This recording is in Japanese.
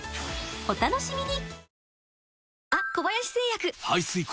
お楽しみに！